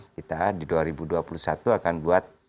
kita di dua ribu dua puluh satu akan buat